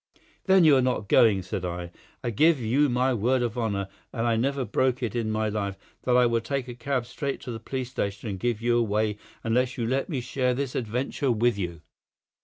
"Then you are not going," said I. "I give you my word of honour—and I never broke it in my life—that I will take a cab straight to the police station and give you away unless you let me share this adventure with you."